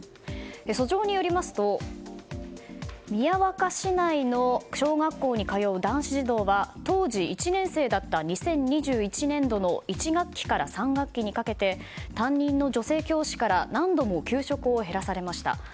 訴状によりますと宮若市内の小学校に通う男子児童が当時１年生だった２０２１年度の１学期から３学期にかけて担任の女性教師から何度も給食を減らされました。